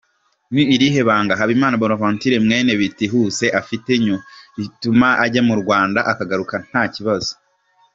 « Ni irihe banga Habimana Bonaventure mwene Bitihuse afite rituma ajya mu Rwanda akagaruka ntakibazo ?